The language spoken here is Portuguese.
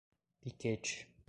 Piquete